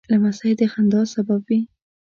لمسی د خندا سبب وي.